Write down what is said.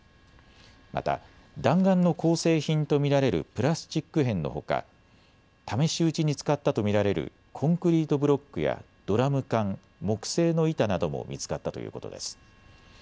また弾丸の構成品と見られるプラスチック片のほか、試し撃ちに使ったと見られるコンクリートブロックやドラム缶、木製の板なども見つかったということです。